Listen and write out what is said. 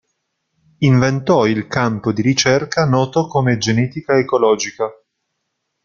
Inventò il campo di ricerca noto come genetica ecologica.